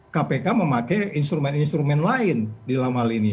kpk memakai instrumen instrumen lain di lama lini